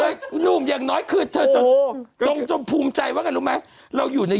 เราก็นุ่มอย่างน้อยคือโอ้โหจงจงภูมิใจไว้กันรู้ไหมเราอยู่ใน